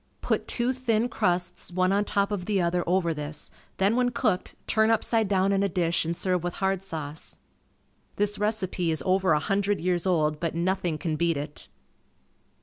Put two thin crusts one on top of the other over this, then when cooked, turn upside down in a dish and serve with hard sauce. This recipe is over a hundred years old but nothing can beat it.